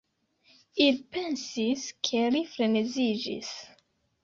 Ili pensis ke li freneziĝis.